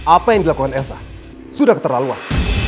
apa yang dilakukan elsa sudah keterlaluan